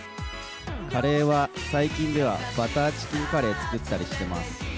カレーは、最近ではバターチキンカレー作ったりしてます。